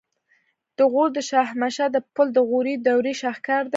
د غور د شاهمشه د پل د غوري دورې شاهکار دی